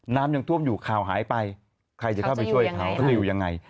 น้ำยังท่วมอยู่ข่าวหายไปใครจะเข้าไปช่วยเขาเขาจะอยู่ยังไง